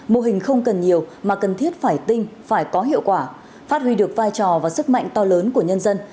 mô hình không cần nhiều mà cần thiết phải tinh phải có hiệu quả phát huy được vai trò và sức mạnh to lớn của nhân dân